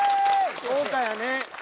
豪華やね。